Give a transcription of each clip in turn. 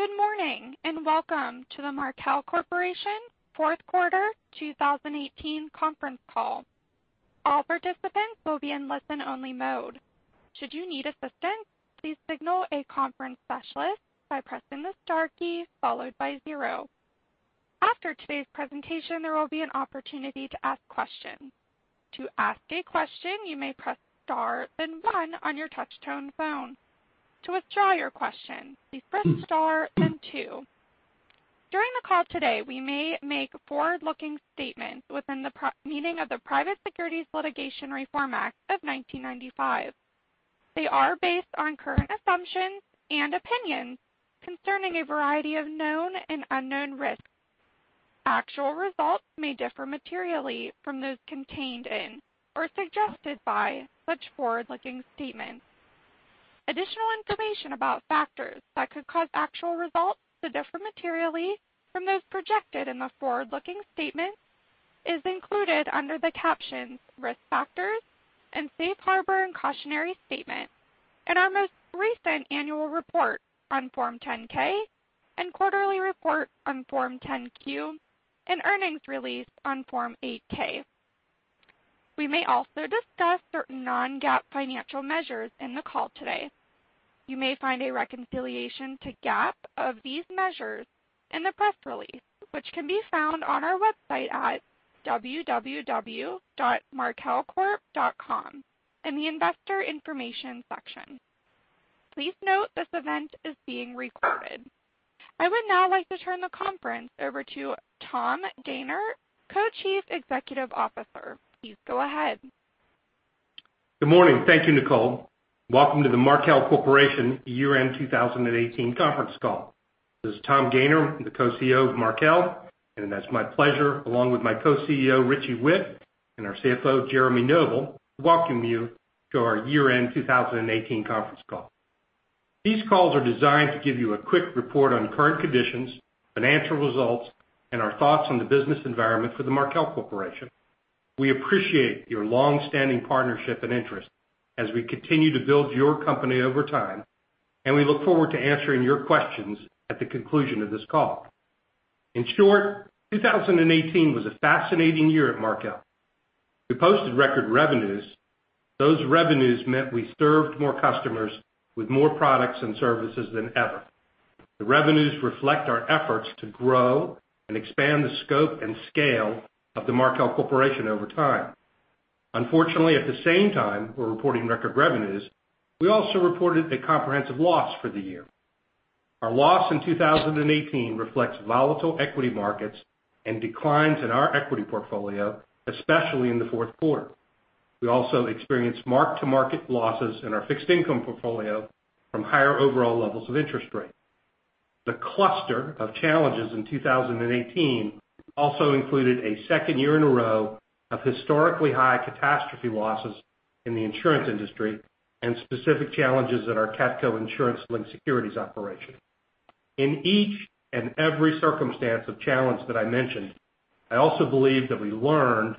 Good morning, welcome to the Markel Corporation fourth quarter 2018 conference call. All participants will be in listen-only mode. Should you need assistance, please signal a conference specialist by pressing the star key followed by zero. After today's presentation, there will be an opportunity to ask questions. To ask a question, you may press star, then one on your touch-tone phone. To withdraw your question, please press star, then two. During the call today, we may make forward-looking statements within the meaning of the Private Securities Litigation Reform Act of 1995. They are based on current assumptions and opinions concerning a variety of known and unknown risks. Actual results may differ materially from those contained in or suggested by such forward-looking statements. Additional information about factors that could cause actual results to differ materially from those projected in the forward-looking statements is included under the captions "Risk Factors" and "Safe Harbor and Cautionary Statement" in our most recent annual report on Form 10-K and quarterly report on Form 10-Q and earnings release on Form 8-K. We may also discuss certain non-GAAP financial measures in the call today. You may find a reconciliation to GAAP of these measures in the press release, which can be found on our website at www.markelcorp.com in the investor information section. Please note this event is being recorded. I would now like to turn the conference over to Tom Gayner, Co-Chief Executive Officer. Please go ahead. Good morning. Thank you, Nicole. Welcome to the Markel Corporation year-end 2018 conference call. This is Tom Gayner, the Co-CEO of Markel. It's my pleasure, along with my Co-CEO, Richie Whitt, and our CFO, Jeremy Noble, to welcome you to our year-end 2018 conference call. These calls are designed to give you a quick report on current conditions, financial results, and our thoughts on the business environment for the Markel Corporation. We appreciate your long-standing partnership and interest as we continue to build your company over time. We look forward to answering your questions at the conclusion of this call. In short, 2018 was a fascinating year at Markel. We posted record revenues. Those revenues meant we served more customers with more products and services than ever. The revenues reflect our efforts to grow and expand the scope and scale of the Markel Corporation over time. Unfortunately, at the same time we're reporting record revenues, we also reported a comprehensive loss for the year. Our loss in 2018 reflects volatile equity markets and declines in our equity portfolio, especially in the fourth quarter. We also experienced mark-to-market losses in our fixed income portfolio from higher overall levels of interest rates. The cluster of challenges in 2018 also included a second year in a row of historically high CATastrophe losses in the insurance industry and specific challenges at our CATCo insurance-linked securities operation. In each and every circumstance of challenge that I mentioned, I also believe that we learned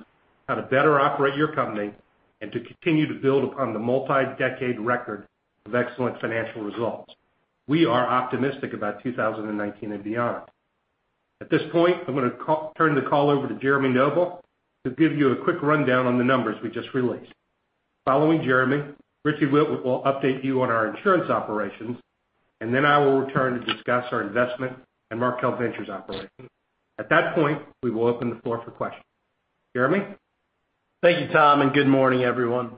how to better operate your company and to continue to build upon the multi-decade record of excellent financial results. We are optimistic about 2019 and beyond. At this point, I'm going to turn the call over to Jeremy Noble to give you a quick rundown on the numbers we just released. Following Jeremy, Richie Whitt will update you on our insurance operations, then I will return to discuss our investment in Markel Ventures operations. At that point, we will open the floor for questions. Jeremy? Thank you, Tom. Good morning, everyone.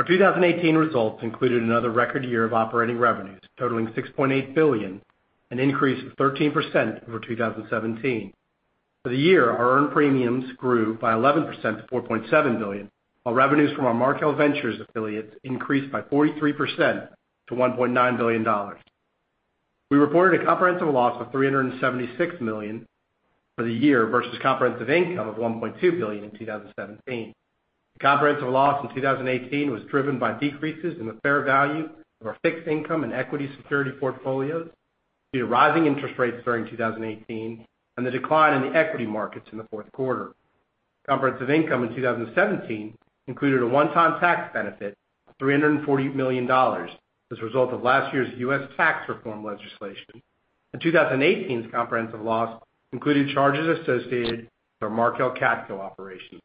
Our 2018 results included another record year of operating revenues totaling $6.8 billion, an increase of 13% over 2017. For the year, our earned premiums grew by 11% to $4.7 billion, while revenues from our Markel Ventures affiliates increased by 43% to $1.9 billion. We reported a comprehensive loss of $376 million for the year versus comprehensive income of $1.2 billion in 2017. The comprehensive loss in 2018 was driven by decreases in the fair value of our fixed income and equity security portfolios due to rising interest rates during 2018 and the decline in the equity markets in the fourth quarter. Comprehensive income in 2017 included a one-time tax benefit of $340 million as a result of last year's U.S. tax reform legislation. 2018's comprehensive loss included charges associated with our Markel CATCo operation.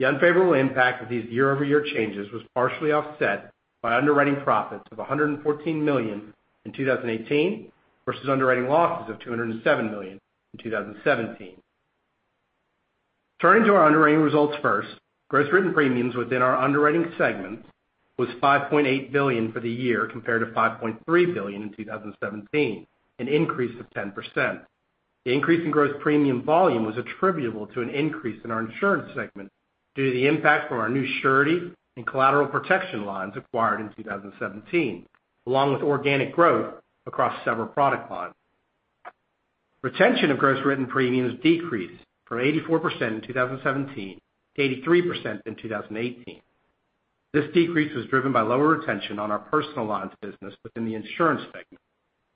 The unfavorable impact of these year-over-year changes was partially offset by underwriting profits of $114 million in 2018 versus underwriting losses of $207 million in 2017. Turning to our underwriting results first, gross written premiums within our underwriting segments was $5.8 billion for the year compared to $5.3 billion in 2017, an increase of 10%. The increase in gross premium volume was attributable to an increase in our insurance segment due to the impact from our new surety and collateral protection lines acquired in 2017, along with organic growth across several product lines. Retention of gross written premiums decreased from 84% in 2017 to 83% in 2018. This decrease was driven by lower retention on our personal lines business within the insurance segment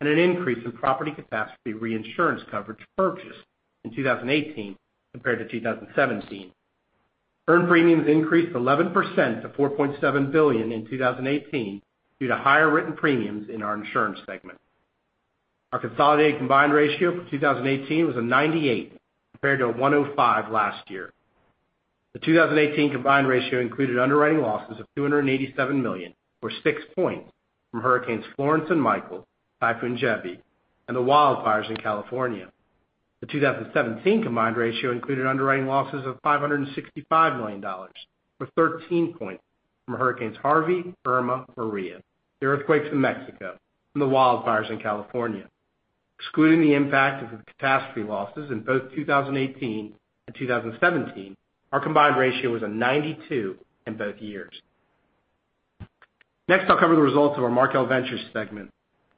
and an increase in property capacity reinsurance coverage purchased in 2018 compared to 2017. Earned premiums increased 11% to $4.7 billion in 2018 due to higher written premiums in our insurance segment. Our consolidated combined ratio for 2018 was a 98 compared to a 105 last year. The 2018 combined ratio included underwriting losses of $287 million, or six points from hurricanes Florence and Michael, Typhoon Jebi, and the wildfires in California. The 2017 combined ratio included underwriting losses of $565 million, or 13 points from Hurricanes Harvey, Irma, Maria, the earthquakes in Mexico, and the wildfires in California. Excluding the impact of the CATastrophe losses in both 2018 and 2017, our combined ratio was a 92 in both years. Next, I'll cover the results of our Markel Ventures segment.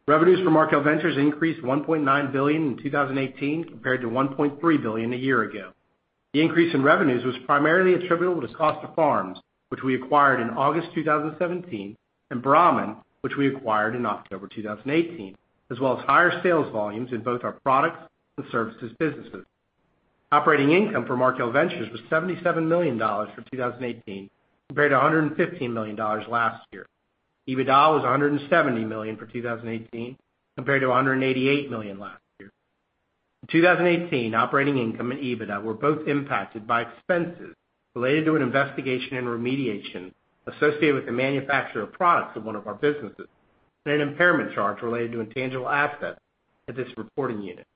Revenues for Markel Ventures increased to $1.9 billion in 2018 compared to $1.3 billion a year ago. The increase in revenues was primarily attributable to Costa Farms, which we acquired in August 2017, and Brahmin, which we acquired in October 2018, as well as higher sales volumes in both our products and services businesses. Operating income for Markel Ventures was $77 million for 2018, compared to $115 million last year. EBITDA was $170 million for 2018 compared to $188 million last year. In 2018, operating income and EBITDA were both impacted by expenses related to an investigation and remediation associated with the manufacture of products in one of our businesses, and an impairment charge related to intangible assets at this reporting unit.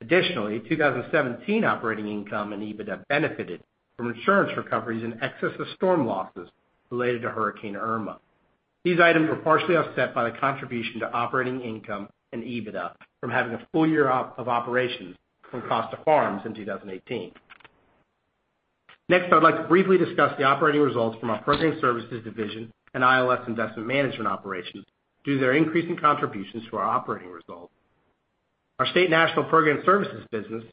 Additionally, 2017 operating income and EBITDA benefited from insurance recoveries in excess of storm losses related to Hurricane Irma. These items were partially offset by the contribution to operating income and EBITDA from having a full year of operations from Costa Farms in 2018. Next, I'd like to briefly discuss the operating results from our Program Services division and ILS Investment Management operations due to their increase in contributions to our operating results. Our State National Program Services business,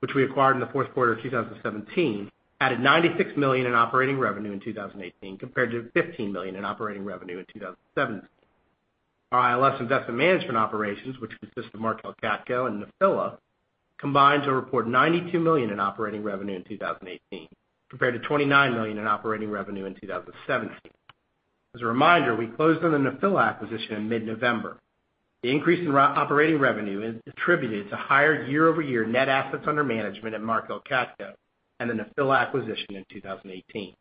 which we acquired in the fourth quarter of 2017, added $96 million in operating revenue in 2018 compared to $15 million in operating revenue in 2017. Our ILS Investment Management operations, which consist of Markel CATCo and Nephila, combined to report $92 million in operating revenue in 2018 compared to $29 million in operating revenue in 2017. As a reminder, we closed on the Nephila acquisition in mid-November. The increase in operating revenue is attributed to higher year-over-year net assets under management at Markel CATCo and the Nephila acquisition in 2018.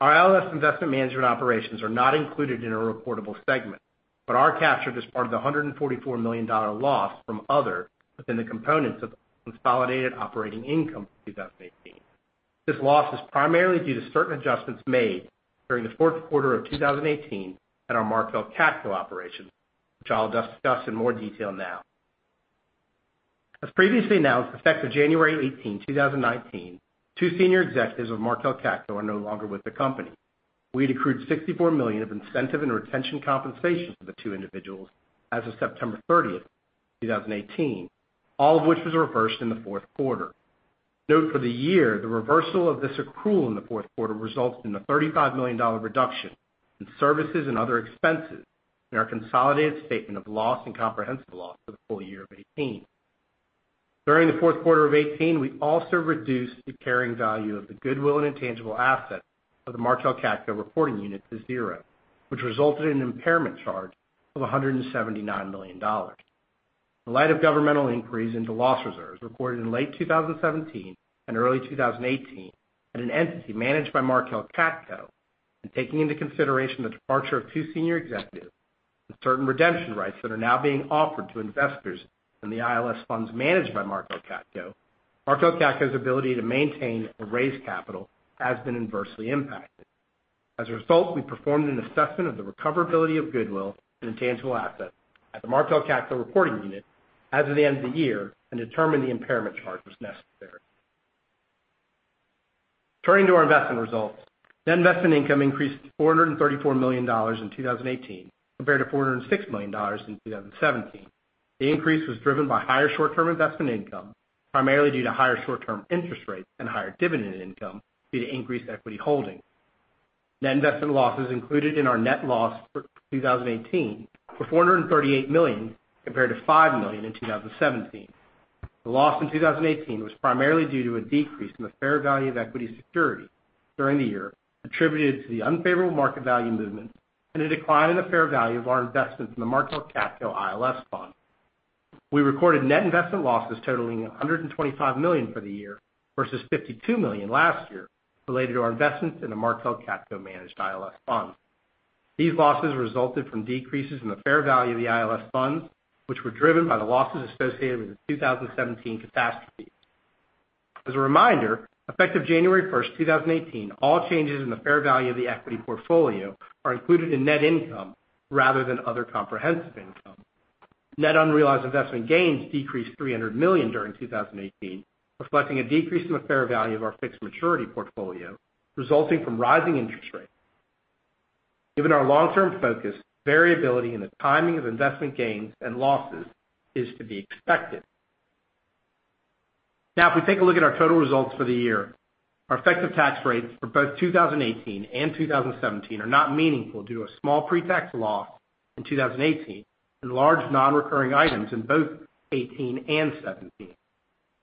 Our ILS Investment Management operations are not included in a reportable segment, but are captured as part of the $144 million loss from other within the components of consolidated operating income for 2018. This loss is primarily due to certain adjustments made during the fourth quarter of 2018 at our Markel CATCo operations, which I'll discuss in more detail now. As previously announced, effective January 18, 2019, two senior executives of Markel CATCo are no longer with the company. We had accrued $64 million of incentive and retention compensations for the two individuals as of September 30th, 2018, all of which was reversed in the fourth quarter. Note for the year, the reversal of this accrual in the fourth quarter results in a $35 million reduction in services and other expenses in our consolidated statement of loss and comprehensive loss for the full year of 2018. During the fourth quarter of 2018, we also reduced the carrying value of the goodwill and intangible assets of the Markel CATCo reporting unit to zero, which resulted in an impairment charge of $179 million. In light of governmental inquiries into loss reserves recorded in late 2017 and early 2018 at an entity managed by Markel CATCo, and taking into consideration the departure of two senior executives and certain redemption rights that are now being offered to investors in the ILS funds managed by Markel CATCo, Markel CATCo's ability to maintain and raise capital has been inversely impacted. As a result, we performed an assessment of the recoverability of goodwill and intangible assets at the Markel CATCo reporting unit as of the end of the year and determined the impairment charge was necessary. Turning to our investment results. Net investment income increased to $434 million in 2018 compared to $406 million in 2017. The increase was driven by higher short-term investment income, primarily due to higher short-term interest rates and higher dividend income due to increased equity holdings. Net investment losses included in our net loss for 2018 were $438 million compared to $5 million in 2017. The loss in 2018 was primarily due to a decrease in the fair value of equity security during the year attributed to the unfavorable market value movement and a decline in the fair value of our investments in the Markel CATCo ILS fund. We recorded net investment losses totaling $125 million for the year versus $52 million last year related to our investments in the Markel CATCo managed ILS fund. These losses resulted from decreases in the fair value of the ILS funds, which were driven by the losses associated with the 2017 CATastrophe. As a reminder, effective January 1st, 2018, all changes in the fair value of the equity portfolio are included in net income rather than other comprehensive income. Net unrealized investment gains decreased $300 million during 2018, reflecting a decrease in the fair value of our fixed maturity portfolio, resulting from rising interest rates. Given our long-term focus, variability in the timing of investment gains and losses is to be expected. If we take a look at our total results for the year, our effective tax rates for both 2018 and 2017 are not meaningful due to a small pre-tax loss in 2018, and large non-recurring items in both 2018 and 2017.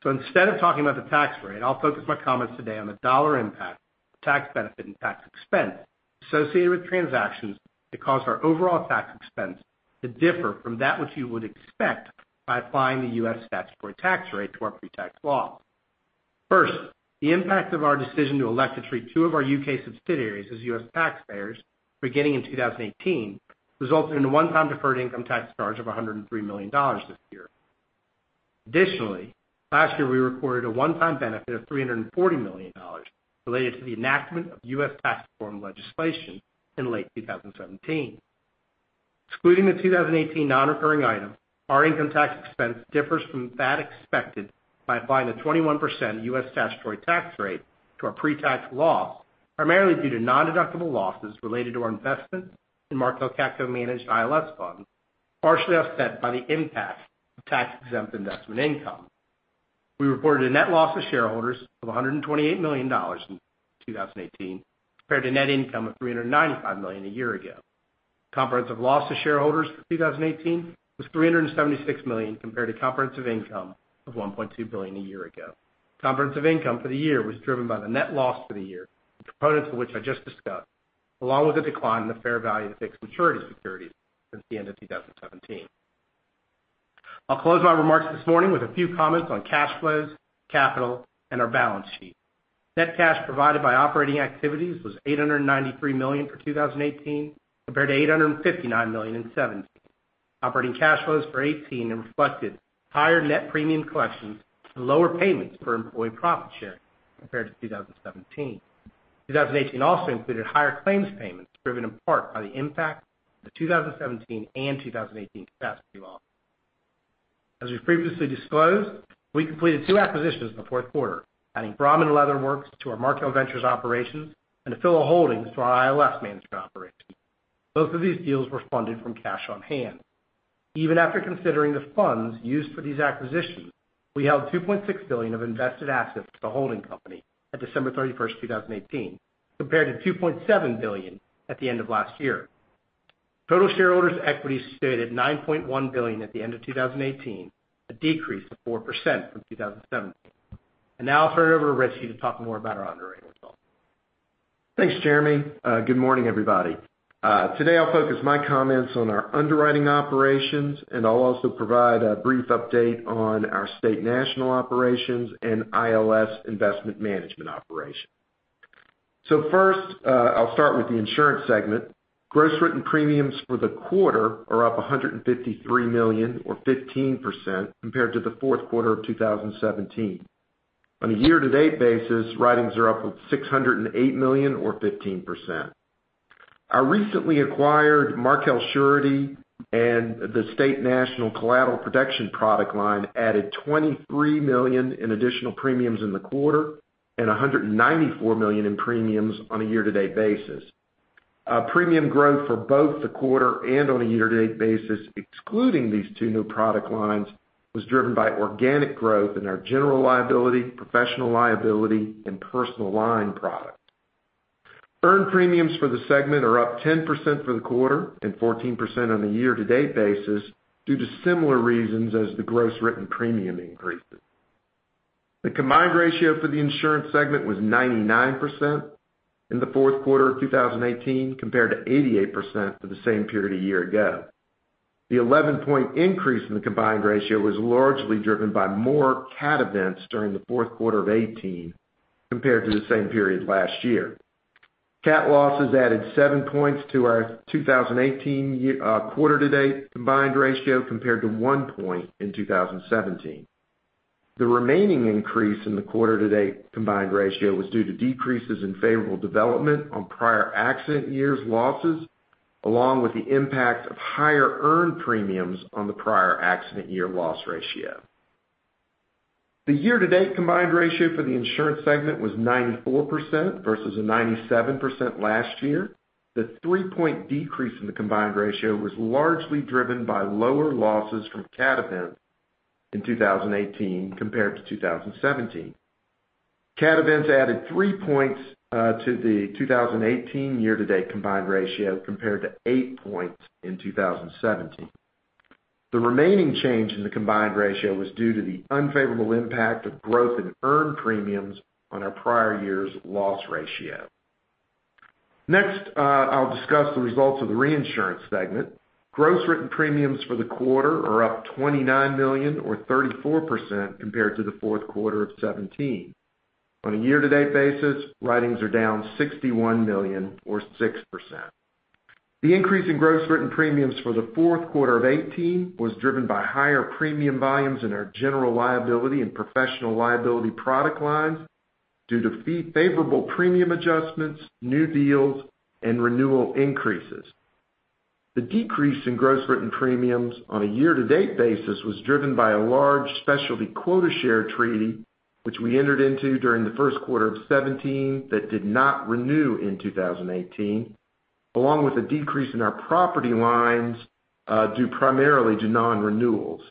Instead of talking about the tax rate, I'll focus my comments today on the dollar impact of tax benefit and tax expense associated with transactions that caused our overall tax expense to differ from that which you would expect by applying the U.S. statutory tax rate to our pre-tax loss. First, the impact of our decision to elect to treat two of our U.K. subsidiaries as U.S. taxpayers beginning in 2018, resulted in a one-time deferred income tax charge of $103 million this year. Additionally, last year we recorded a one-time benefit of $340 million related to the enactment of U.S. tax reform legislation in late 2017. Excluding the 2018 non-recurring item, our income tax expense differs from that expected by applying the 21% U.S. statutory tax rate to our pre-tax loss, primarily due to non-deductible losses related to our investment in Markel CATCo Managed ILS Fund, partially offset by the impact of tax-exempt investment income. We reported a net loss to shareholders of $128 million in 2018 compared to net income of $395 million a year ago. Comprehensive loss to shareholders for 2018 was $376 million compared to comprehensive income of $1.2 billion a year ago. Comprehensive income for the year was driven by the net loss for the year, the components of which I just discussed, along with a decline in the fair value of fixed maturity securities since the end of 2017. I'll close my remarks this morning with a few comments on cash flows, capital, and our balance sheet. Net cash provided by operating activities was $893 million for 2018, compared to $859 million in 2017. Operating cash flows for 2018 reflected higher net premium collections and lower payments for employee profit sharing compared to 2017. 2018 also included higher claims payments, driven in part by the impact of the 2017 and 2018 CATastrophe losses. As we previously disclosed, we completed two acquisitions in the fourth quarter, adding Brahmin Leather Works to our Markel Ventures operations and Nephila Holdings to our ILS management operation. Both of these deals were funded from cash on hand. Even after considering the funds used for these acquisitions, we held $2.6 billion of invested assets as a holding company at December 31st, 2018 compared to $2.7 billion at the end of last year. Total shareholders' equity stood at $9.1 billion at the end of 2018, a decrease of 4% from 2017. Now I'll turn it over to Richie to talk more about our underwriting results. Thanks, Jeremy. Good morning, everybody. Today I'll focus my comments on our underwriting operations, I'll also provide a brief update on our State National operations and ILS investment management operation. First, I'll start with the insurance segment. Gross written premiums for the quarter are up $153 million or 15% compared to the fourth quarter of 2017. On a year-to-date basis, writings are up with $608 million or 15%. Our recently acquired Markel Surety and the State National Collateral Protection product line added $23 million in additional premiums in the quarter, and $194 million in premiums on a year-to-date basis. Our premium growth for both the quarter and on a year-to-date basis, excluding these two new product lines, was driven by organic growth in our general liability, professional liability, and personal line products. Earned premiums for the segment are up 10% for the quarter and 14% on a year-to-date basis due to similar reasons as the gross written premium increases. The combined ratio for the insurance segment was 99% in the fourth quarter of 2018, compared to 88% for the same period a year ago. The 11-point increase in the combined ratio was largely driven by more CAT events during the fourth quarter of 2018 compared to the same period last year. CAT losses added seven points to our 2018 quarter-to-date combined ratio compared to one point in 2017. The remaining increase in the quarter-to-date combined ratio was due to decreases in favorable development on prior accident years' losses, along with the impact of higher earned premiums on the prior accident year loss ratio. The year-to-date combined ratio for the insurance segment was 94% versus a 97% last year. The three-point decrease in the combined ratio was largely driven by lower losses from CAT events in 2018 compared to 2017. CAT events added 3 points to the 2018 year-to-date combined ratio compared to 8 points in 2017. The remaining change in the combined ratio was due to the unfavorable impact of growth in earned premiums on our prior year's loss ratio. I'll discuss the results of the reinsurance segment. Gross written premiums for the quarter are up $29 million or 34% compared to the fourth quarter of 2017. On a year-to-date basis, writings are down $61 million or 6%. The increase in gross written premiums for the fourth quarter of 2018 was driven by higher premium volumes in our general liability and professional liability product lines due to favorable premium adjustments, new deals, and renewal increases. The decrease in gross written premiums on a year-to-date basis was driven by a large specialty quota share treaty, which we entered into during the first quarter of 2017 that did not renew in 2018, along with a decrease in our property lines due primarily to non-renewals.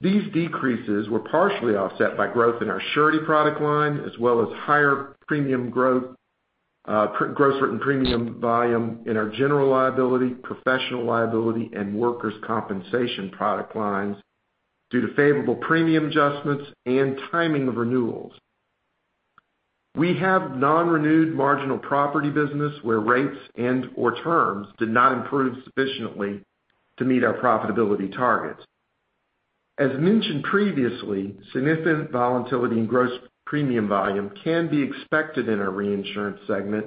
These decreases were partially offset by growth in our surety product line, as well as higher premium growth, gross written premium volume in our general liability, professional liability, and workers' compensation product lines due to favorable premium adjustments and timing of renewals. We have non-renewed marginal property business where rates and/or terms did not improve sufficiently to meet our profitability targets. As mentioned previously, significant volatility in gross premium volume can be expected in our reinsurance segment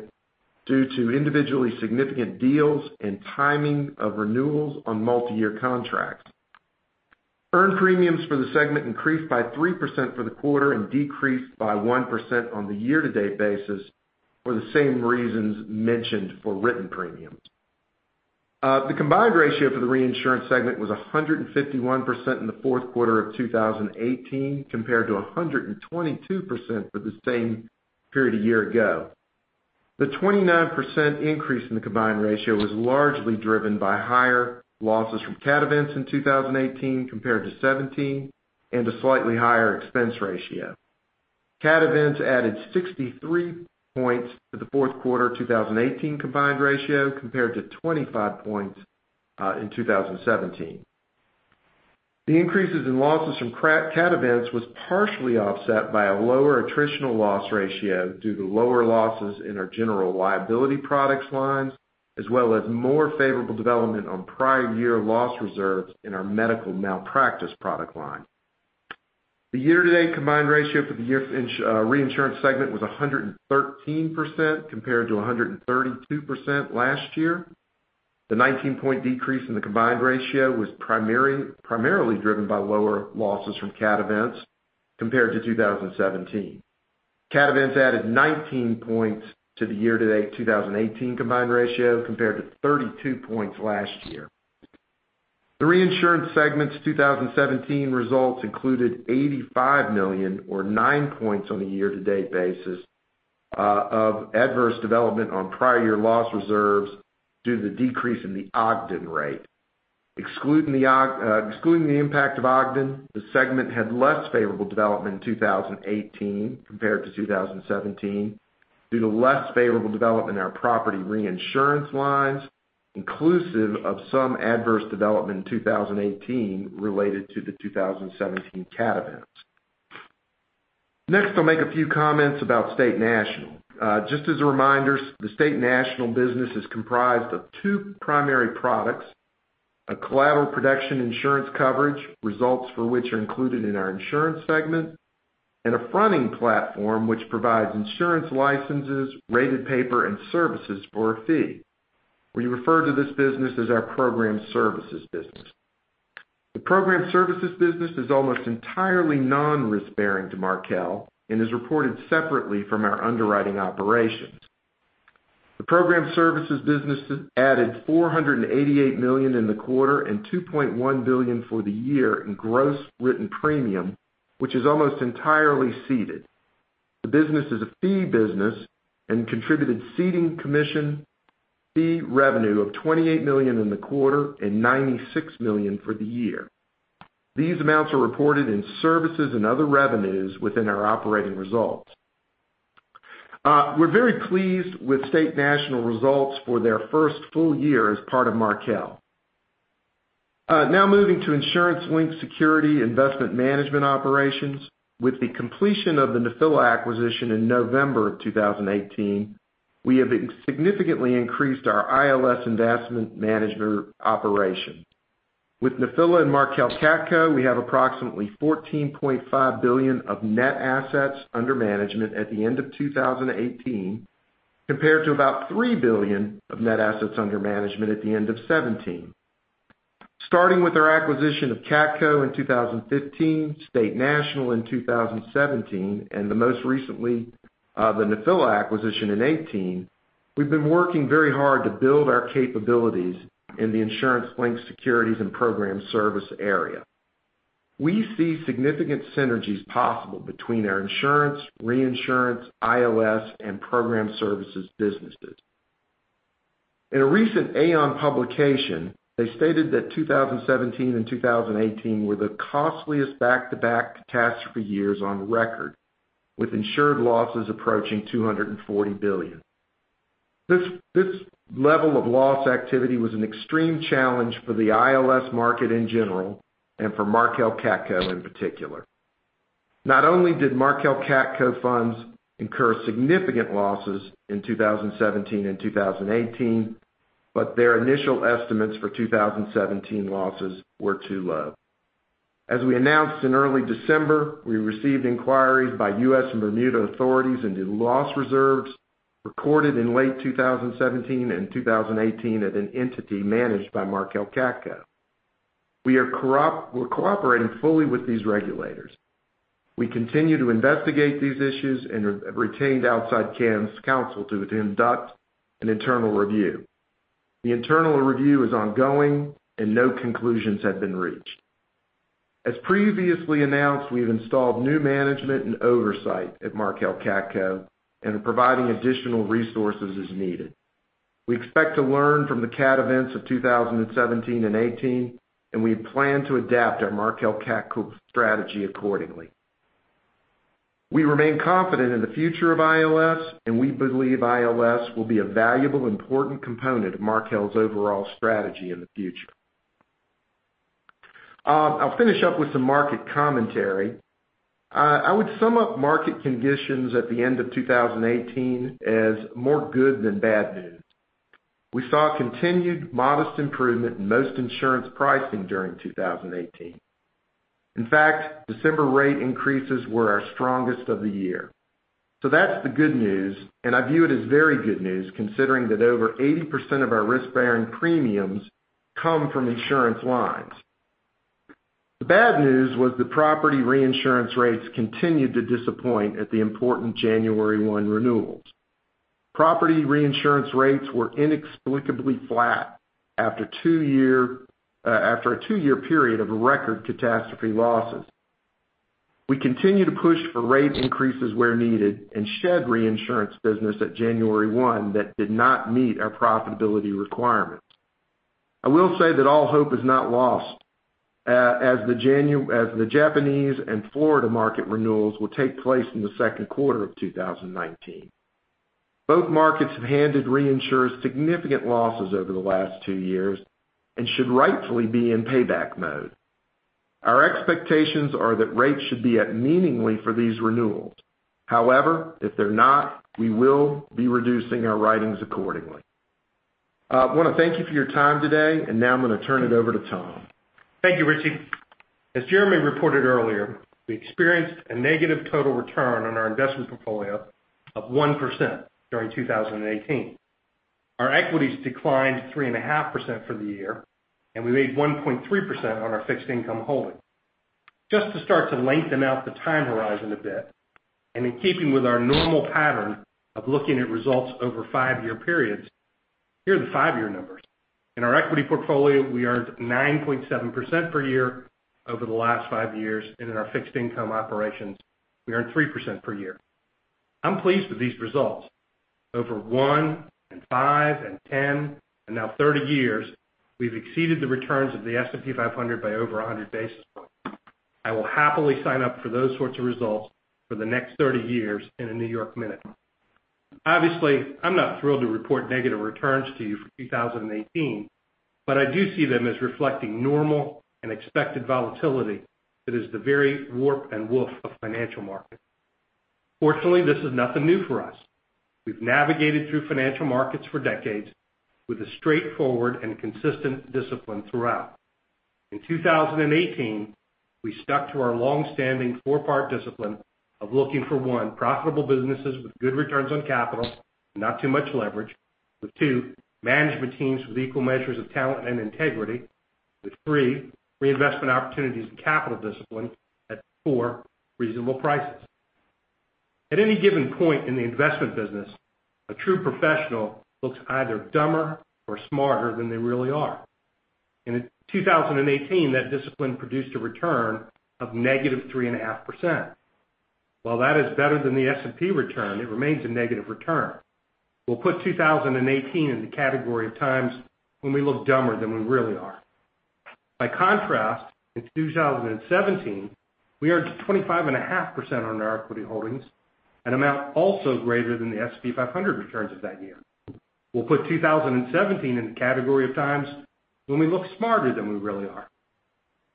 due to individually significant deals and timing of renewals on multi-year contracts. Earned premiums for the segment increased by 3% for the quarter and decreased by 1% on the year-to-date basis for the same reasons mentioned for written premiums. The combined ratio for the reinsurance segment was 151% in the fourth quarter of 2018, compared to 122% for the same period a year ago. The 29% increase in the combined ratio was largely driven by higher losses from CAT events in 2018 compared to 2017, and a slightly higher expense ratio. CAT events added 63 points to the fourth quarter 2018 combined ratio compared to 25 points in 2017. The increases in losses from CAT events was partially offset by a lower attritional loss ratio due to lower losses in our general liability products lines, as well as more favorable development on prior year loss reserves in our medical malpractice product line. The year-to-date combined ratio for the year for reinsurance segment was 113% compared to 132% last year. The 19-point decrease in the combined ratio was primarily driven by lower losses from CAT events compared to 2017. CAT events added 19 points to the year-to-date 2018 combined ratio compared to 32 points last year. The reinsurance segment's 2017 results included $85 million, or 9 points on a year-to-date basis, of adverse development on prior year loss reserves due to the decrease in the Ogden rate. Excluding the impact of Ogden, the segment had less favorable development in 2018 compared to 2017 due to less favorable development in our property reinsurance lines, inclusive of some adverse development in 2018 related to the 2017 CAT events. Next, I'll make a few comments about State National. Just as a reminder, the State National business is comprised of two primary products, a collateral production insurance coverage, results for which are included in our insurance segment, and a fronting platform, which provides insurance licenses, rated paper, and services for a fee. We refer to this business as our program services business. The program services business is almost entirely non-risk bearing to Markel and is reported separately from our underwriting operations. The program services business added $488 million in the quarter and $2.1 billion for the year in gross written premium, which is almost entirely ceded. The business is a fee business and contributed ceding commission fee revenue of $28 million in the quarter and $96 million for the year. These amounts are reported in services and other revenues within our operating results. We're very pleased with State National results for their first full year as part of Markel. Now moving to insurance linked security investment management operations. With the completion of the Nephila acquisition in November of 2018, we have significantly increased our ILS investment management operation. With Nephila and Markel CATCo, we have approximately $14.5 billion of net assets under management at the end of 2018, compared to about $3 billion of net assets under management at the end of 2017. Starting with our acquisition of CATCo in 2015, State National in 2017, and most recently, the Nephila acquisition in 2018, we've been working very hard to build our capabilities in the insurance linked securities and program service area. We see significant synergies possible between our insurance, reinsurance, ILS, and program services businesses. In a recent Aon publication, they stated that 2017 and 2018 were the costliest back-to-back catastrophe years on record, with insured losses approaching $240 billion. This level of loss activity was an extreme challenge for the ILS market in general, and for Markel CATCo in particular. Not only did Markel CATCo funds incur significant losses in 2017 and 2018, but their initial estimates for 2017 losses were too low. As we announced in early December, we received inquiries by U.S. and Bermuda authorities into loss reserves recorded in late 2017 and 2018 at an entity managed by Markel CATCo. We're cooperating fully with these regulators. We continue to investigate these issues and have retained outside claims counsel to conduct an internal review. The internal review is ongoing and no conclusions have been reached. As previously announced, we've installed new management and oversight at Markel CATCo and are providing additional resources as needed. We expect to learn from the CAT events of 2017 and 2018, and we plan to adapt our Markel CATCo strategy accordingly. We remain confident in the future of ILS, and we believe ILS will be a valuable, important component of Markel's overall strategy in the future. I'll finish up with some market commentary. I would sum up market conditions at the end of 2018 as more good than bad news. We saw continued modest improvement in most insurance pricing during 2018. In fact, December rate increases were our strongest of the year. That's the good news, and I view it as very good news, considering that over 80% of our risk-bearing premiums come from insurance lines. The bad news was the property reinsurance rates continued to disappoint at the important January 1 renewals. Property reinsurance rates were inexplicably flat after a two-year period of record CATastrophe losses. We continue to push for rate increases where needed and shed reinsurance business at January 1 that did not meet our profitability requirements. I will say that all hope is not lost, as the Japanese and Florida market renewals will take place in the second quarter of 2019. Both markets have handed reinsurers significant losses over the last two years and should rightfully be in payback mode. Our expectations are that rates should be up meaningfully for these renewals. If they're not, we will be reducing our writings accordingly. I want to thank you for your time today. Now I'm going to turn it over to Tom. Thank you, Richie. As Jeremy reported earlier, we experienced a negative total return on our investment portfolio of 1% during 2018. Our equities declined 3.5% for the year, and we made 1.3% on our fixed income holdings. Just to start to lengthen out the time horizon a bit, and in keeping with our normal pattern of looking at results over five-year periods, here are the five-year numbers. In our equity portfolio, we earned 9.7% per year over the last five years, and in our fixed income operations, we earned 3% per year. I'm pleased with these results. Over one, and five, and 10, and now 30 years, we've exceeded the returns of the S&P 500 by over 100 basis points. I will happily sign up for those sorts of results for the next 30 years in a New York minute. Obviously, I'm not thrilled to report negative returns to you for 2018, I do see them as reflecting normal and expected volatility that is the very warp and woof of financial markets. Fortunately, this is nothing new for us. We've navigated through financial markets for decades with a straightforward and consistent discipline throughout. In 2018, we stuck to our long-standing four-part discipline of looking for: One, profitable businesses with good returns on capital and not too much leverage with, two, management teams with equal measures of talent and integrity, with, three, reinvestment opportunities and capital discipline at, four, reasonable prices. At any given point in the investment business, a true professional looks either dumber or smarter than they really are. In 2018, that discipline produced a return of negative 3.5%. While that is better than the S&P return, it remains a negative return. We'll put 2018 in the category of times when we look dumber than we really are. By contrast, in 2017, we earned 25.5% on our equity holdings, an amount also greater than the S&P 500 returns of that year. We'll put 2017 in the category of times when we look smarter than we really are.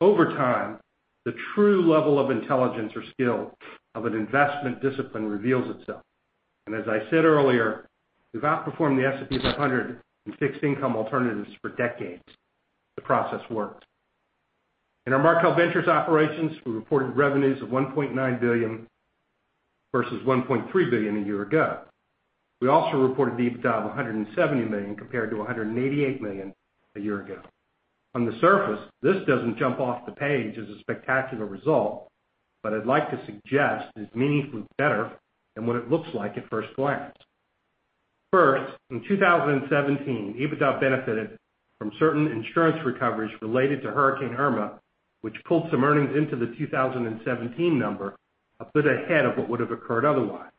Over time, the true level of intelligence or skill of an investment discipline reveals itself. As I said earlier, we've outperformed the S&P 500 in fixed income alternatives for decades. The process works. In our Markel Ventures operations, we reported revenues of $1.9 billion versus $1.3 billion a year ago. We also reported EBITDA of $170 million compared to $188 million a year ago. On the surface, this doesn't jump off the page as a spectacular result, but I'd like to suggest it is meaningfully better than what it looks like at first glance. First, in 2017, EBITDA benefited from certain insurance recoveries related to Hurricane Irma, which pulled some earnings into the 2017 number a bit ahead of what would have occurred otherwise.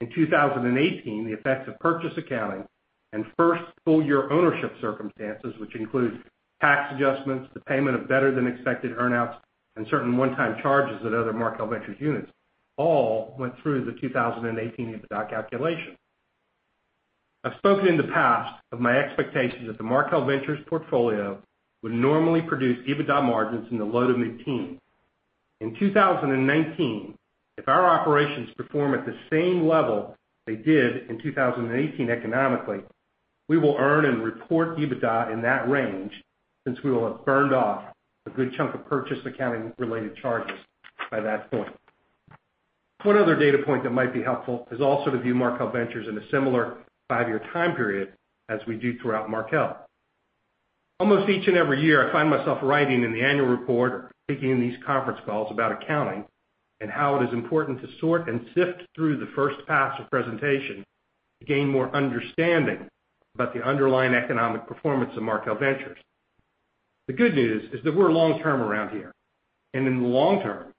In 2018, the effects of purchase accounting and first full-year ownership circumstances, which include tax adjustments, the payment of better than expected earn-outs, and certain one-time charges at other Markel Ventures units, all went through the 2018 EBITDA calculation. I've spoken in the past of my expectations that the Markel Ventures portfolio would normally produce EBITDA margins in the low to mid-teens. In 2019, if our operations perform at the same level they did in 2018 economically, we will earn and report EBITDA in that range since we will have burned off a good chunk of purchase accounting-related charges by that point. One other data point that might be helpful is also to view Markel Ventures in a similar five-year time period as we do throughout Markel. Almost each and every year, I find myself writing in the annual report or taking these conference calls about accounting and how it is important to sort and sift through the first pass of presentation to gain more understanding about the underlying economic performance of Markel Ventures. The good news is that we're long-term around here, and in the long term,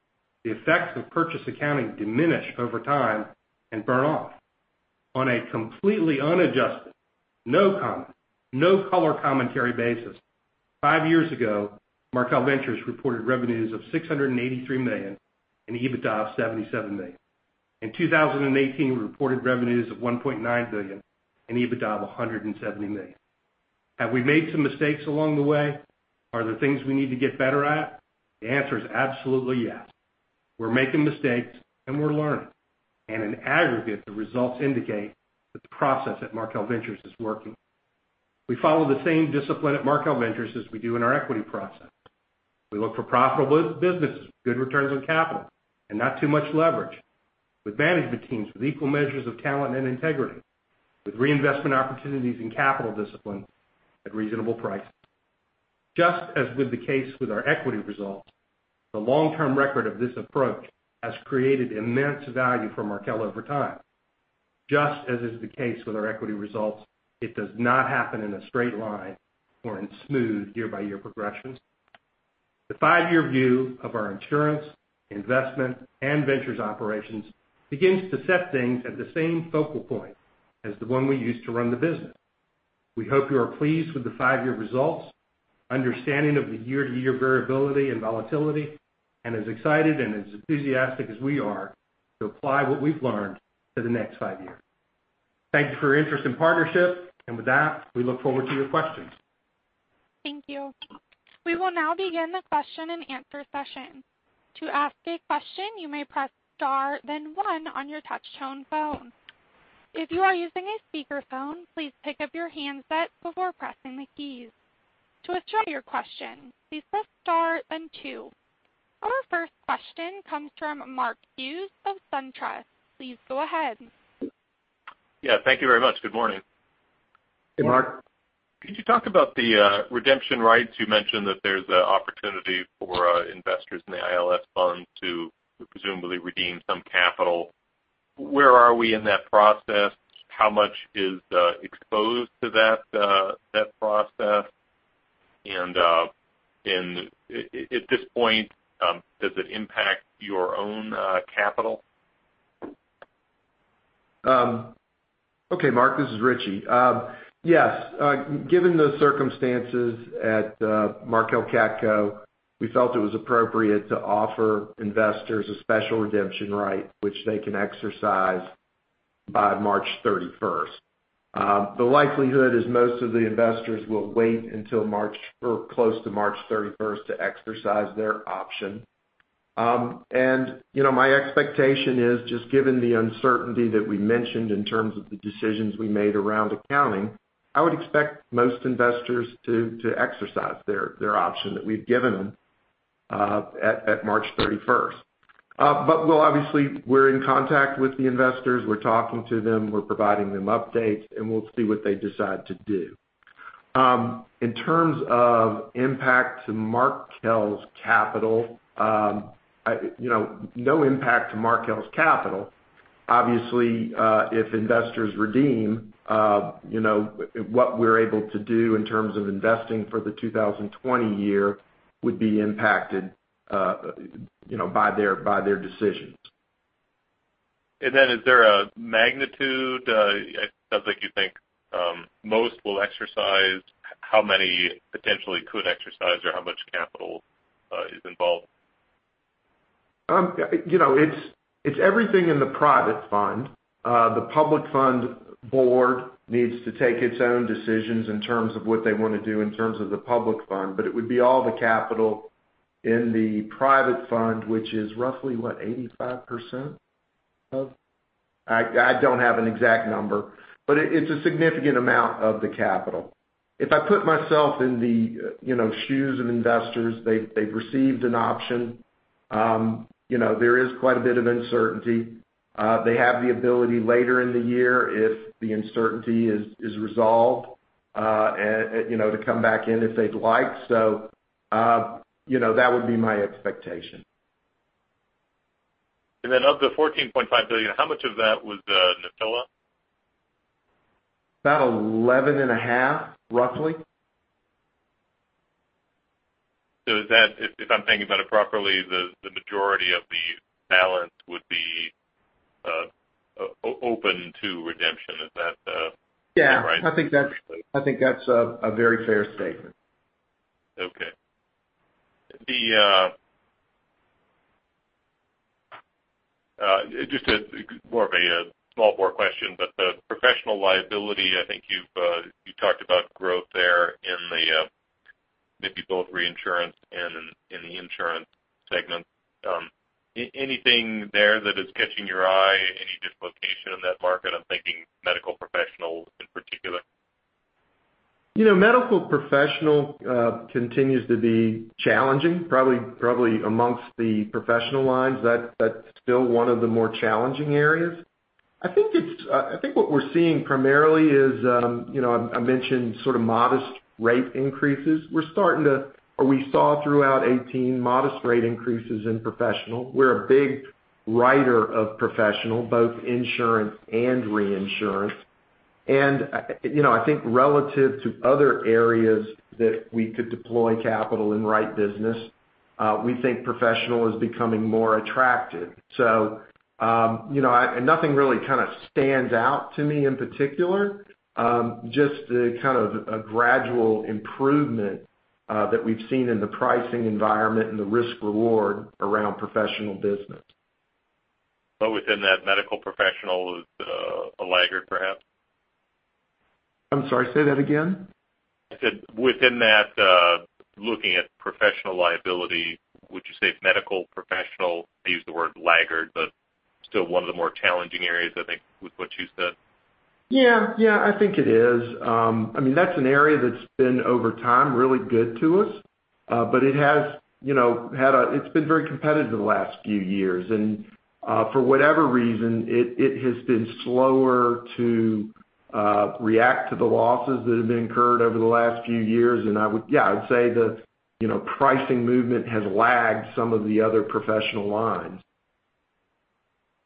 the effects of purchase accounting diminish over time and burn off. On a completely unadjusted, no comment, no color commentary basis, five years ago, Markel Ventures reported revenues of $683 million and EBITDA of $77 million. In 2018, we reported revenues of $1.9 billion and EBITDA of $170 million. Have we made some mistakes along the way? Are there things we need to get better at? The answer is absolutely yes. We're making mistakes and we're learning. In aggregate, the results indicate that the process at Markel Ventures is working. We follow the same discipline at Markel Ventures as we do in our equity process. We look for profitable businesses, good returns on capital, and not too much leverage with management teams, with equal measures of talent and integrity, with reinvestment opportunities and capital discipline at reasonable prices. Just as with the case with our equity results, the long-term record of this approach has created immense value for Markel over time. Just as is the case with our equity results, it does not happen in a straight line or in smooth year-by-year progressions. The five-year view of our insurance, investment, and ventures operations begins to set things at the same focal point as the one we use to run the business. We hope you are pleased with the five-year results, understanding of the year-to-year variability and volatility, and as excited and as enthusiastic as we are to apply what we've learned to the next five years. Thank you for your interest and partnership, with that, we look forward to your questions. Thank you. We will now begin the question and answer session. To ask a question, you may press star then one on your touchtone phone. If you are using a speakerphone, please pick up your handset before pressing the keys. To withdraw your question, please press star then two. Our first question comes from Mark Hughes of SunTrust. Please go ahead. Yeah. Thank you very much. Good morning. Hey, Mark. Could you talk about the redemption rights? You mentioned that there's an opportunity for investors in the ILS fund to presumably redeem some capital. Where are we in that process? How much is exposed to that process? At this point, does it impact your own capital? Okay, Mark, this is Richie. Yes. Given the circumstances at Markel CATCo, we felt it was appropriate to offer investors a special redemption right, which they can exercise by March 31st. The likelihood is most of the investors will wait until close to March 31st to exercise their option. My expectation is just given the uncertainty that we mentioned in terms of the decisions we made around accounting, I would expect most investors to exercise their option that we've given them at March 31st. Obviously, we're in contact with the investors. We're talking to them, we're providing them updates, and we'll see what they decide to do. In terms of impact to Markel's capital, no impact to Markel's capital. Obviously, if investors redeem, what we're able to do in terms of investing for the 2020 year would be impacted by their decisions. Is there a magnitude? It sounds like you think most will exercise. How many potentially could exercise or how much capital is involved? It's everything in the private fund. The public fund board needs to take its own decisions in terms of what they want to do in terms of the public fund. It would be all the capital in the private fund, which is roughly, what, 85% of? I don't have an exact number, but it's a significant amount of the capital. If I put myself in the shoes of investors, they've received an option. There is quite a bit of uncertainty. They have the ability later in the year if the uncertainty is resolved to come back in if they'd like. That would be my expectation. Of the $14.5 billion, how much of that was Nephila? About $11.5 billion, roughly. If I'm thinking about it properly, the majority of the balance would be open to redemption. Is that? Yeah. -right? I think that's a very fair statement. Just more of a small question, the professional liability, I think you talked about growth there in maybe both reinsurance and in the insurance segment. Anything there that is catching your eye? Any dislocation in that market? I'm thinking medical professional in particular. Medical professional continues to be challenging. Probably amongst the professional lines, that's still one of the more challenging areas. I think what we're seeing primarily is, I mentioned modest rate increases. We're starting to, or we saw throughout 2018, modest rate increases in professional. We're a big writer of professional, both insurance and reinsurance. I think relative to other areas that we could deploy capital in right business, we think professional is becoming more attractive. Nothing really kind of stands out to me in particular, just the kind of a gradual improvement that we've seen in the pricing environment and the risk/reward around professional business. Within that medical professional is a laggard perhaps? I'm sorry, say that again. I said within that, looking at professional liability, would you say medical professional, I use the word laggard, but still one of the more challenging areas, I think, with what you said? Yeah. I think it is. That's an area that's been, over time, really good to us. It's been very competitive the last few years. For whatever reason, it has been slower to react to the losses that have been incurred over the last few years. I would, yeah, I would say the pricing movement has lagged some of the other professional lines.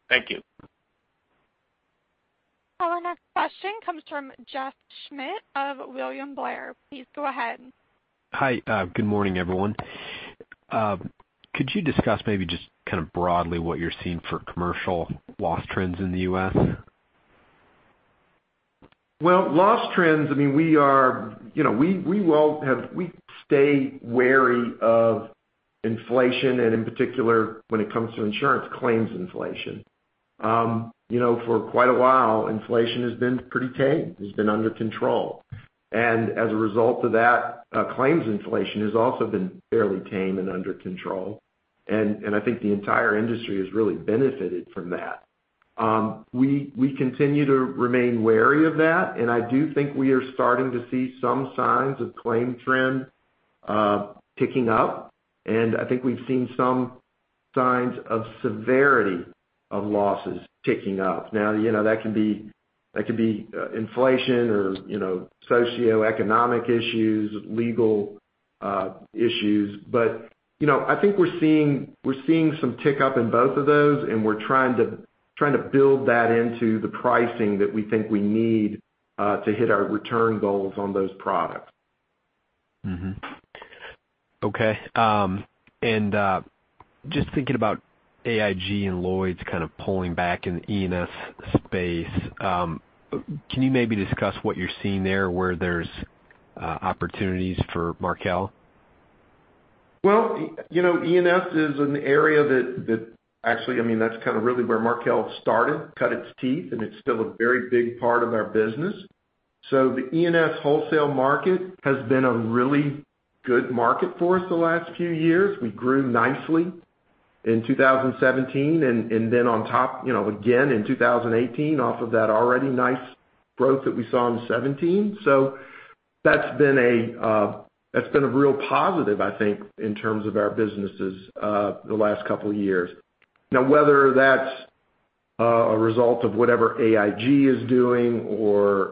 Thank you. Our next question comes from Jeff Schmitt of William Blair. Please go ahead. Hi. Good morning, everyone. Could you discuss maybe just kind of broadly what you're seeing for commercial loss trends in the U.S.? Well, loss trends, we stay wary of inflation and in particular, when it comes to insurance claims inflation. For quite a while, inflation has been pretty tame, has been under control. As a result of that, claims inflation has also been fairly tame and under control. I think the entire industry has really benefited from that. We continue to remain wary of that, I do think we are starting to see some signs of claim trend picking up. I think we've seen some signs of severity of losses ticking up. Now, that can be inflation or socioeconomic issues, legal issues. I think we're seeing some tick up in both of those, and we're trying to build that into the pricing that we think we need, to hit our return goals on those products. Mm-hmm. Okay. Just thinking about AIG and Lloyd's kind of pulling back in the E&S space. Can you maybe discuss what you're seeing there, where there's opportunities for Markel? E&S is an area that actually, that's kind of really where Markel started, cut its teeth, and it's still a very big part of our business. The E&S wholesale market has been a really good market for us the last few years. We grew nicely in 2017 and then on top, again in 2018 off of that already nice growth that we saw in 2017. That's been a real positive, I think, in terms of our businesses, the last couple of years. Whether that's a result of whatever AIG is doing or,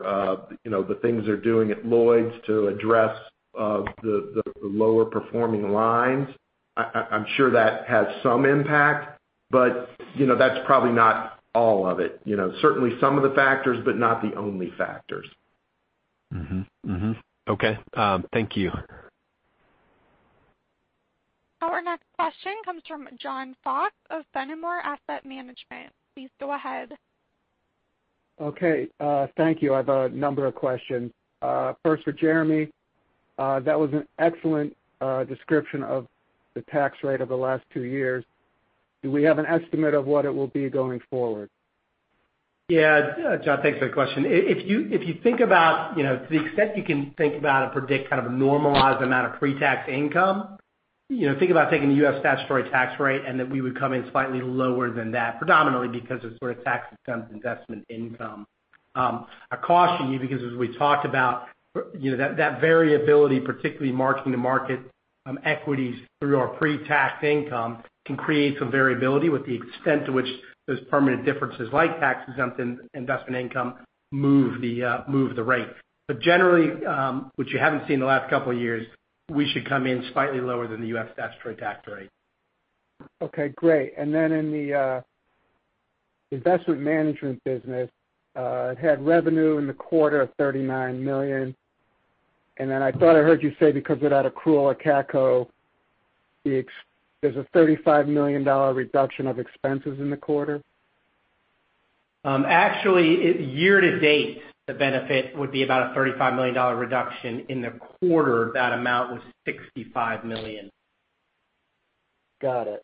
the things they're doing at Lloyd's to address the lower performing lines, I'm sure that has some impact, but that's probably not all of it. Certainly some of the factors, but not the only factors. Mm-hmm. Okay. Thank you. Our next question comes from John Fox of Fenimore Asset Management. Please go ahead. Okay, thank you. I have a number of questions. First for Jeremy, that was an excellent description of the tax rate over the last two years. Do we have an estimate of what it will be going forward? Yeah. John, thanks for the question. If you think about, to the extent you can think about and predict kind of a normalized amount of pre-tax income, think about taking the U.S. statutory tax rate and that we would come in slightly lower than that, predominantly because of sort of tax-exempt investment income. I caution you because as we talked about, that variability, particularly marking the market equities through our pre-tax income can create some variability with the extent to which those permanent differences like tax-exempt investment income move the rate. Generally, which you haven't seen in the last couple of years, we should come in slightly lower than the U.S. statutory tax rate. Okay, great. Then in the investment management business, it had revenue in the quarter of $39 million. Then I thought I heard you say because it had accrual or CATCo, there's a $35 million reduction of expenses in the quarter? Actually, year to date, the benefit would be about a $35 million reduction. In the quarter, that amount was $65 million. Got it.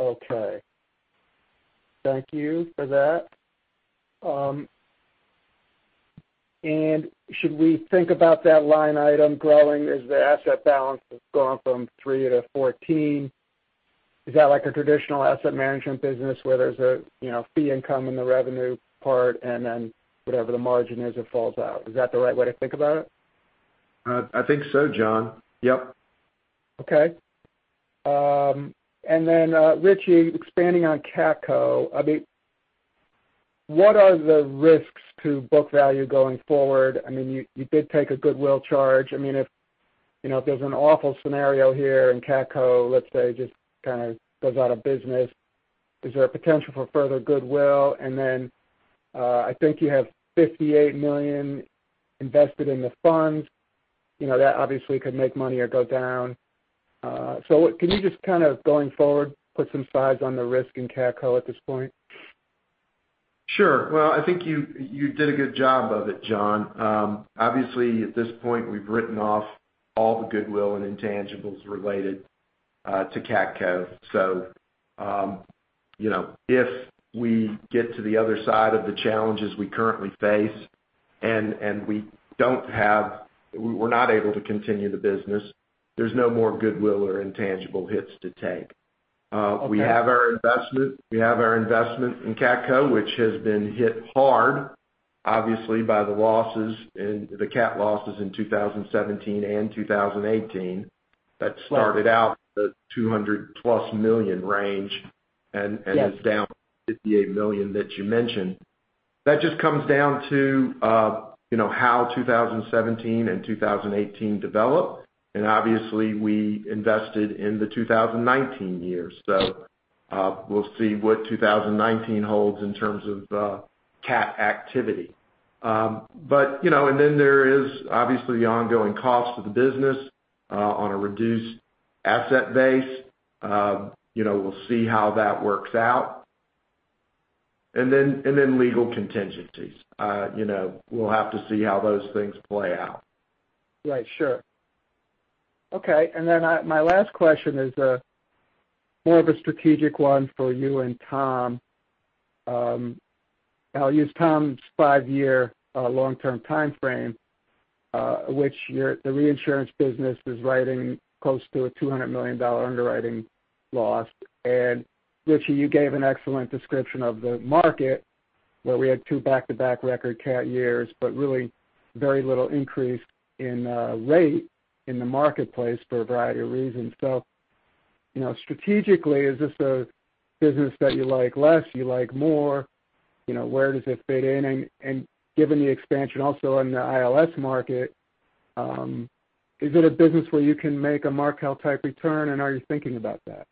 Okay. Thank you for that. Should we think about that line item growing as the asset balance has gone from 3 to 14? Is that like a traditional asset management business where there's a fee income in the revenue part and then whatever the margin is, it falls out? Is that the right way to think about it? I think so, John. Yep. Okay. Richie, expanding on CATCo, what are the risks to book value going forward? You did take a goodwill charge. I mean, If there's an awful scenario here and CATCo, let's say, just goes out of business, is there a potential for further goodwill? I think you have $58 million invested in the funds. That obviously could make money or go down. Can you just kind of, going forward, put some size on the risk in CATCo at this point? Sure. Well, I think you did a good job of it, John. Obviously, at this point, we've written off all the goodwill and intangibles related to CATCo. If we get to the other side of the challenges we currently face, and we're not able to continue the business, there's no more goodwill or intangible hits to take. Okay. We have our investment in CATCo, which has been hit hard, obviously, by the CAT losses in 2017 and 2018. That started out the $200+ million range, and is down $58 million that you mentioned. That just comes down to how 2017 and 2018 develop. Obviously, we invested in the 2019 year. We'll see what 2019 holds in terms of CAT activity. There is, obviously, the ongoing cost of the business on a reduced asset base. We'll see how that works out. Legal contingencies. We'll have to see how those things play out. Right. Sure. Okay. My last question is more of a strategic one for you and Tom. I'll use Tom's five-year long-term timeframe, which the reinsurance business is writing close to a $200 million underwriting loss. Richie, you gave an excellent description of the market, where we had two back-to-back record CAT years, but really very little increase in rate in the marketplace for a variety of reasons. Strategically, is this a business that you like less, you like more? Where does it fit in? Given the expansion also in the ILS market, is it a business where you can make a Markel-type return, and are you thinking about that?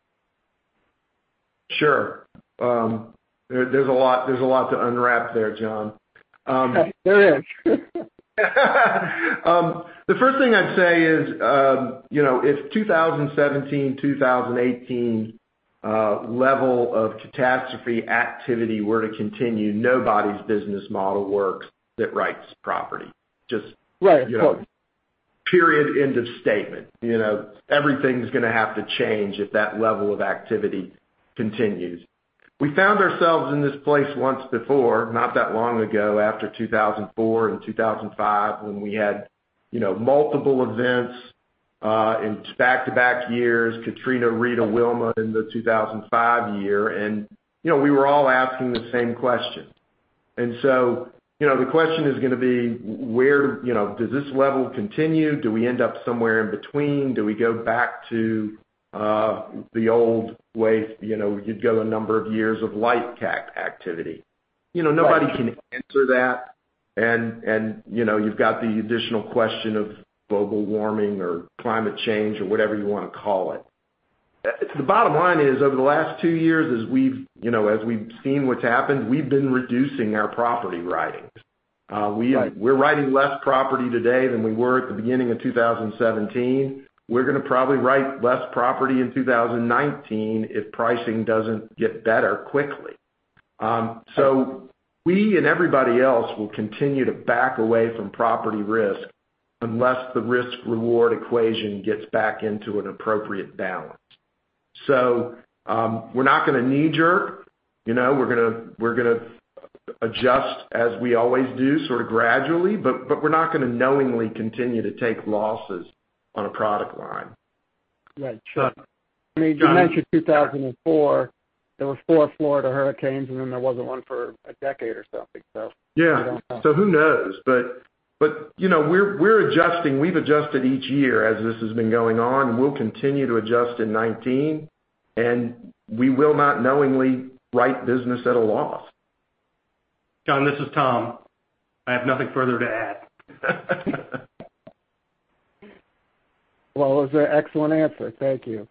Sure. There's a lot to unwrap there, John. There is. The first thing I'd say is, if 2017, 2018 level of catastrophe activity were to continue, nobody's business model works that writes property. Right. `Period. End of statement. Everything's going to have to change if that level of activity continues. We found ourselves in this place once before, not that long ago, after 2004 and 2005, when we had multiple events in back-to-back years, Katrina, Rita, Wilma in the 2005 year. We were all asking the same question. The question is going to be, does this level continue? Do we end up somewhere in between? Do we go back to the old way, you'd go a number of years of light CAT activity. Nobody can answer that. You've got the additional question of global warming or climate change or whatever you want to call it. The bottom line is, over the last two years, as we've seen what's happened, we've been reducing our property writings. Right. We're writing less property today than we were at the beginning of 2017. We're going to probably write less property in 2019 if pricing doesn't get better quickly. We and everybody else will continue to back away from property risk unless the risk/reward equation gets back into an appropriate balance. We're not going to knee-jerk. We're going to adjust as we always do, sort of gradually, but we're not going to knowingly continue to take losses on a product line. Right. Sure. You mentioned 2004, there were four Florida hurricanes, and then there wasn't one for a decade or something. Yeah. Who knows? We're adjusting. We've adjusted each year as this has been going on. We'll continue to adjust in 2019. We will not knowingly write business at a loss. John, this is Tom. I have nothing further to add. Well, it was an excellent answer. Thank you.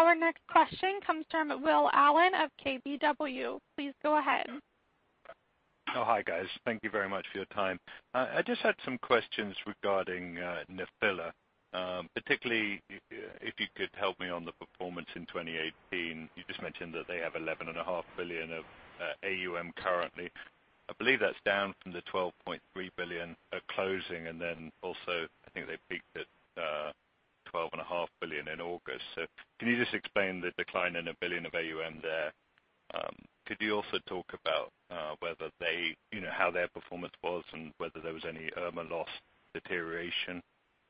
Our next question comes from Will Allen of KBW. Please go ahead. Oh, hi, guys. Thank you very much for your time. I just had some questions regarding Nephila, particularly if you could help me on the performance in 2018. You just mentioned that they have $11.5 billion of AUM currently. I believe that's down from the $12.3 billion at closing, and then also, I think they peaked at $12.5 billion in August. Can you just explain the decline in $1 billion of AUM there? Could you also talk about how their performance was and whether there was any Irma loss deterioration,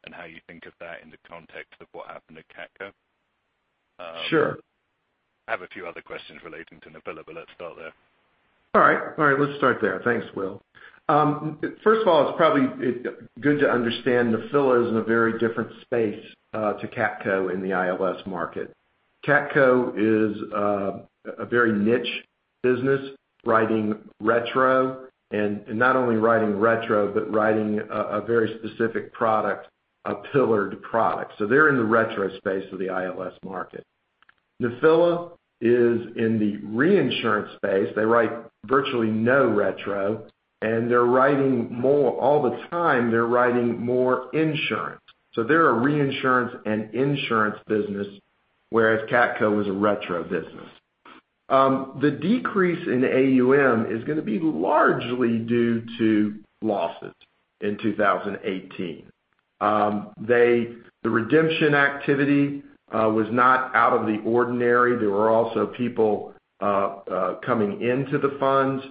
and how you think of that in the context of what happened at CATCo? Sure. I have a few other questions relating to Nephila, let's start there. All right. Let's start there. Thanks, Will. First of all, it's probably good to understand Nephila is in a very different space to CATCo in the ILS market. CATCo is a very niche business writing retro, not only writing retro, but writing a very specific product, a pillared product. They're in the retro space of the ILS market. Nephila is in the reinsurance space. They write virtually no retro, and all the time, they're writing more insurance. They're a reinsurance and insurance business, whereas CATCo is a retro business. The decrease in AUM is going to be largely due to losses in 2018. The redemption activity was not out of the ordinary. There were also people coming into the funds.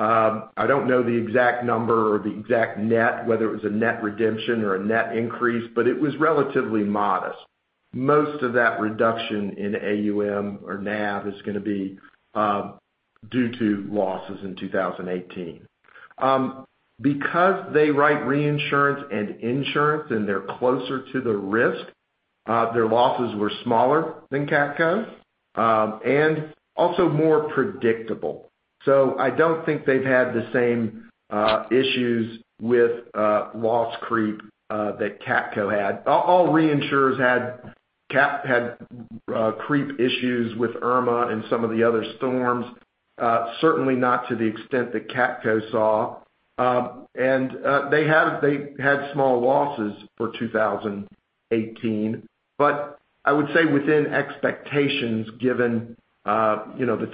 I don't know the exact number or the exact net, whether it was a net redemption or a net increase, but it was relatively modest. Most of that reduction in AUM or NAV is going to be due to losses in 2018. Because they write reinsurance and insurance and they're closer to the risk, their losses were smaller than CATCo's, and also more predictable. I don't think they've had the same issues with loss creep that CATCo had. All reinsurers had creep issues with Irma and some of the other storms. Certainly not to the extent that CATCo saw. They had small losses for 2018. I would say within expectations, given the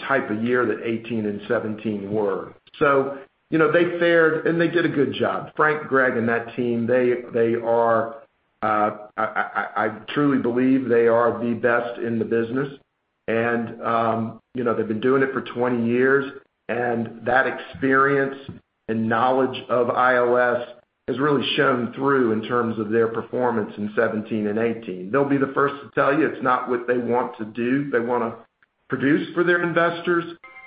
type of year that 2018 and 2017 were. They fared and they did a good job. Frank, Greg, and that team, I truly believe they are the best in the business. They've been doing it for 20 years, and that experience and knowledge of ILS has really shown through in terms of their performance in 2017 and 2018. They'll be the first to tell you it's not what they want to do. They want to produce for their investors.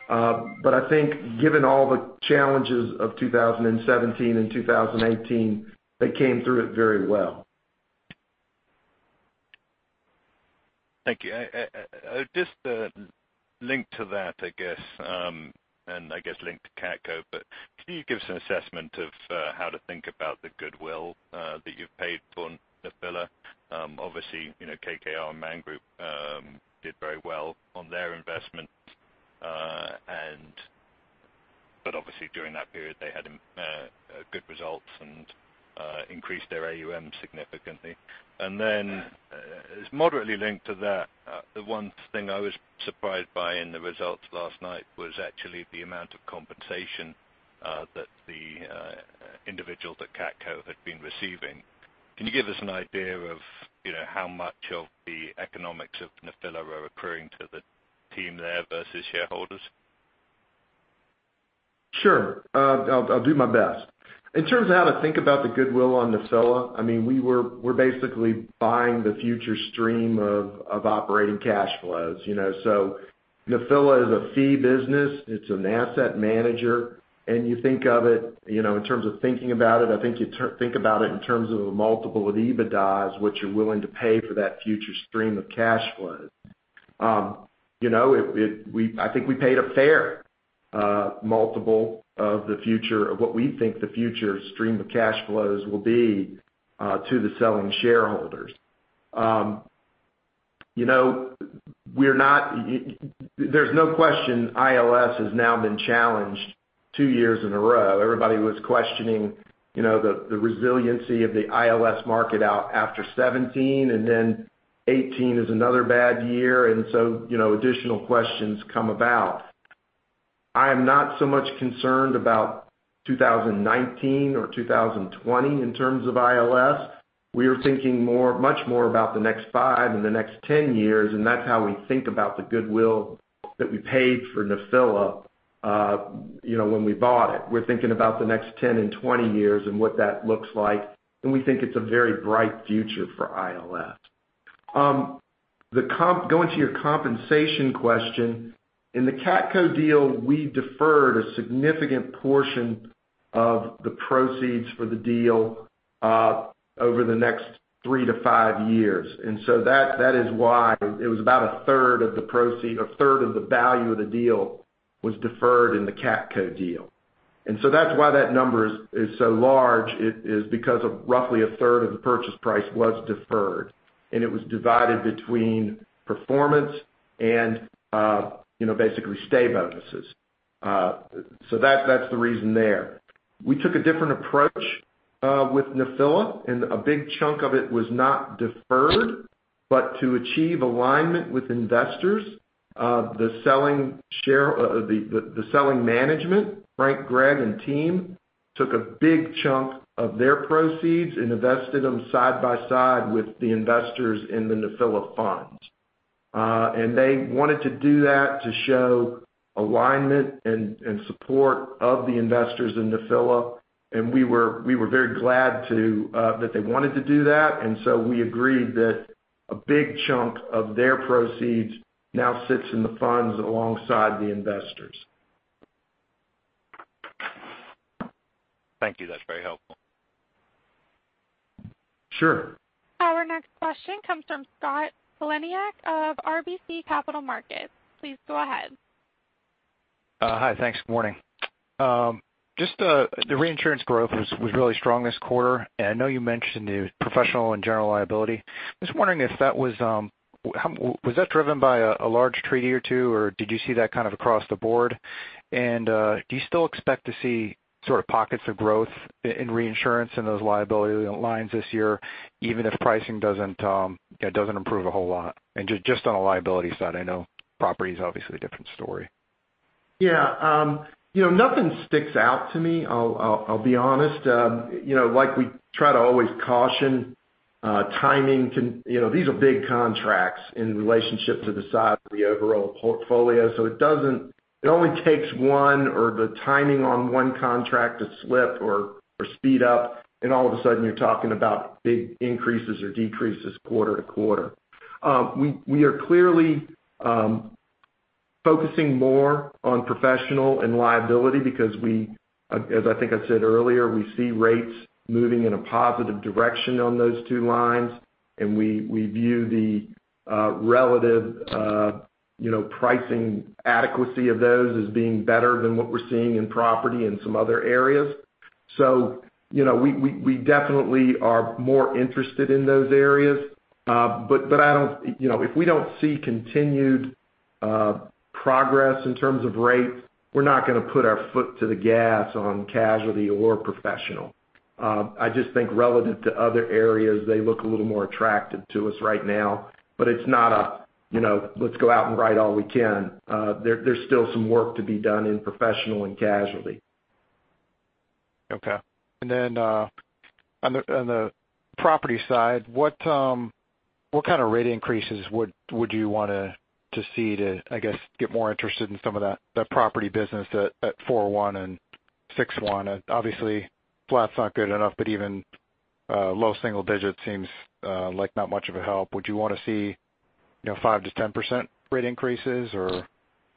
I think given all the challenges of 2017 and 2018, they came through it very well. Thank you. Just to link to that, I guess link to CATCo, can you give us an assessment of how to think about the goodwill that you've paid for Nephila? Obviously, KKR and Man Group did very well on their investment, during that period, they had good results and increased their AUM significantly. The one thing I was surprised by in the results last night was actually the amount of compensation that the individual that CATCo had been receiving. Can you give us an idea of how much of the economics of Nephila are accruing to the team there versus shareholders? Sure. I'll do my best. In terms of how to think about the goodwill on Nephila, we're basically buying the future stream of operating cash flows. Nephila is a fee business, it's an asset manager. In terms of thinking about it, I think you think about it in terms of a multiple of EBITDA, what you're willing to pay for that future stream of cash flows. I think we paid a fair multiple of what we think the future stream of cash flows will be to the selling shareholders. There's no question ILS has now been challenged two years in a row. Everybody was questioning the resiliency of the ILS market out after 2017, 2018 is another bad year, additional questions come about. I am not so much concerned about 2019 or 2020 in terms of ILS. We are thinking much more about the next five and the next 10 years, that's how we think about the goodwill that we paid for Nephila when we bought it. We're thinking about the next 10 and 20 years and what that looks like, and we think it's a very bright future for ILS. Going to your compensation question, in the CATCo deal, we deferred a significant portion of the proceeds for the deal over the next three to five years. That is why it was about 1/3 of the value of the deal was deferred in the CATCo deal. That's why that number is so large, is because of roughly 1/3 of the purchase price was deferred, and it was divided between performance and basically stay bonuses. That's the reason there. We took a different approach with Nephila, a big chunk of it was not deferred, to achieve alignment with investors, the selling management, Frank, Greg and team, took a big chunk of their proceeds and invested them side by side with the investors in the Nephila fund. They wanted to do that to show alignment and support of the investors in Nephila, we were very glad that they wanted to do that. We agreed that a big chunk of their proceeds now sits in the funds alongside the investors. Thank you. That's very helpful. Sure. Our next question comes from Scott Heleniak of RBC Capital Markets. Please go ahead. Hi. Thanks. Morning. Just the reinsurance growth was really strong this quarter. I know you mentioned the professional and general liability. Just wondering if that was driven by a large treaty or two, or did you see that kind of across the board? Do you still expect to see sort of pockets of growth in reinsurance in those liability lines this year, even if pricing doesn't improve a whole lot? Just on a liability side, I know property is obviously a different story. Yeah. Nothing sticks out to me, I'll be honest. We try to always caution timing. These are big contracts in relationship to the size of the overall portfolio. It only takes one or the timing on one contract to slip or speed up, and all of a sudden, you're talking about big increases or decreases quarter-to-quarter. We are clearly focusing more on professional and liability because we, as I think I said earlier, we see rates moving in a positive direction on those two lines, and we view the relative pricing adequacy of those as being better than what we're seeing in property and some other areas. We definitely are more interested in those areas. If we don't see continued progress in terms of rates, we're not going to put our foot to the gas on casualty or professional. I just think relative to other areas, they look a little more attractive to us right now, but it's not a, "Let's go out and write all we can." There's still some work to be done in professional and casualty. On the property side, what kind of rate increases would you want to see to, I guess, get more interested in some of that property business at 4:1 and 6:1? Obviously, flat's not good enough, but even low single digits seems like not much of a help. Would you want to see 5%-10% rate increases, or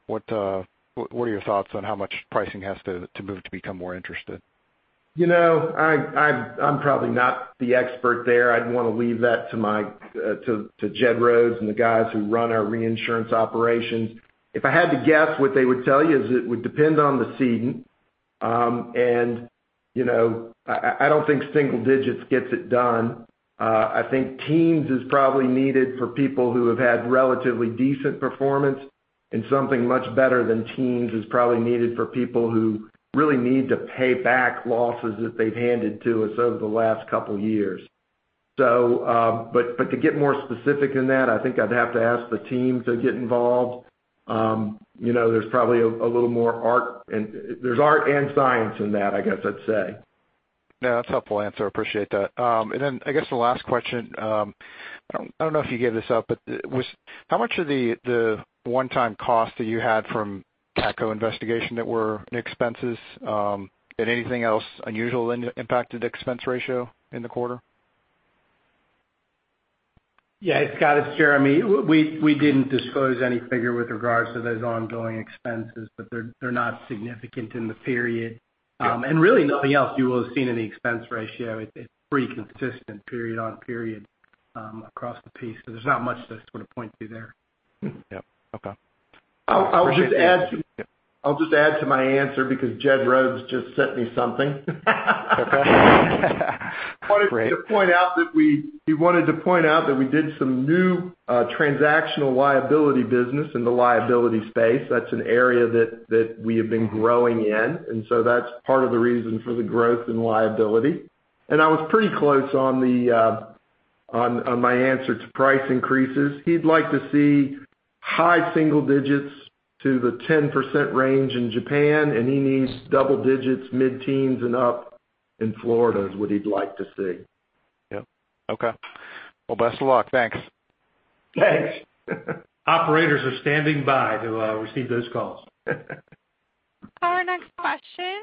what are your thoughts on how much pricing has to move to become more interested? I'm probably not the expert there. I'd want to leave that to Jed Rhoads and the guys who run our reinsurance operations. If I had to guess, what they would tell you is it would depend on the ceding. I don't think single digits gets it done. I think teens is probably needed for people who have had relatively decent performance, and something much better than teens is probably needed for people who really need to pay back losses that they've handed to us over the last couple of years. To get more specific than that, I think I'd have to ask the team to get involved. There's probably a little more art, and there's art and science in that, I guess I'd say. That's a helpful answer. Appreciate that. I guess the last question, I don't know if you gave this up, how much of the one-time cost that you had from CATCo investigation that were expenses, and anything else unusual impacted expense ratio in the quarter? Yeah. Scott, it's Jeremy. We didn't disclose any figure with regards to those ongoing expenses, but they're not significant in the period. Yep. Really nothing else you will have seen in the expense ratio. It's pretty consistent period on period across the piece. There's not much to sort of point to there. Yep. Okay. I'll just add to my answer because Jed Rhoads just sent me something. Okay. Great. He wanted to point out that we did some new transactional liability business in the liability space. That's an area that we have been growing in, so that's part of the reason for the growth in liability. I was pretty close on my answer to price increases. He'd like to see high single digits to the 10% range in Japan, and he needs double digits, mid-teens, and up in Florida, is what he'd like to see. Yep. Okay. Well, best of luck. Thanks. Thanks. Operators are standing by to receive those calls. Our next question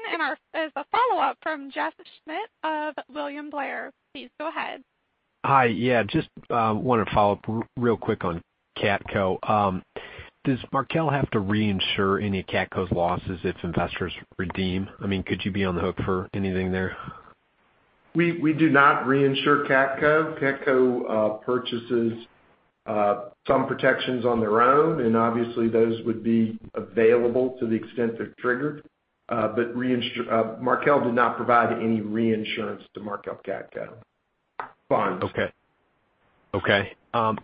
is a follow-up from Jeff Schmitt of William Blair. Please go ahead. Hi. Yeah. Just wanted to follow up real quick on CATCo. Does Markel have to reinsure any of CATCo's losses if investors redeem? I mean, could you be on the hook for anything there? We do not reinsure CATCo. CATCo purchases some protections on their own, obviously, those would be available to the extent they're triggered. Markel did not provide any reinsurance to Markel CATCo funds. Okay.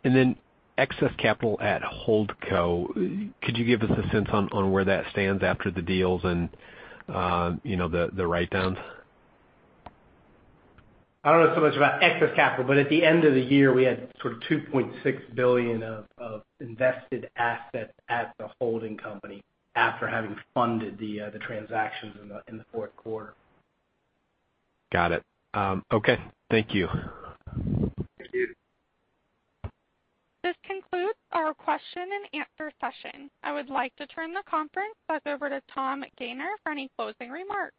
Then excess capital at Holdco. Could you give us a sense on where that stands after the deals and the write-downs? I don't know so much about excess capital, at the end of the year, we had sort of $2.6 billion of invested assets at the holding company after having funded the transactions in the fourth quarter. Got it. Okay. Thank you. Thank you. This concludes our question and answer session. I would like to turn the conference back over to Tom Gayner for any closing remarks.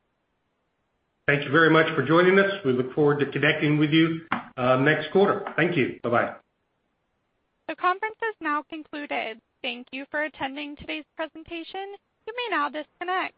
Thank you very much for joining us. We look forward to connecting with you next quarter. Thank you. Bye-bye. The conference has now concluded. Thank you for attending today's presentation. You may now disconnect.